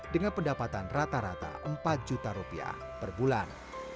dengan pendapatan rata rata rp empat juta per bulan